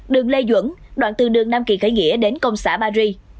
đường lê duẩn đoạn từ đường nam kỳ khởi nghĩa đến công xã paris